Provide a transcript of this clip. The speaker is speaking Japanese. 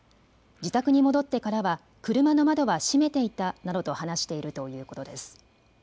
自宅に戻ってからは車の窓は閉めていたなどと話しているということです。